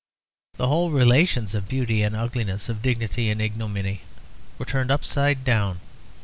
The whole relations of beauty and ugliness, of dignity and ignominy were turned upside down.